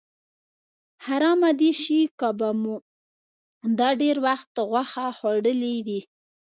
حرامه دې شي که به مو دا ډېر وخت غوښه خوړلې وي.